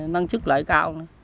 nâng sức lợi cao